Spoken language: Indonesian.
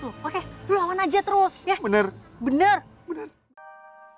lu oke lu awan aja terus ya bener bener bener bener